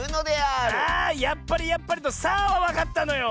あ「やっぱり！やっぱり！」の「さあ！」はわかったのよ。